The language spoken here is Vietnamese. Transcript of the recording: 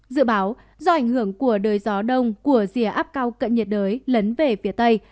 dự báo do ảnh hưởng của đời gió đông của rìa áp cao cận nhiệt đới lấn về phía tây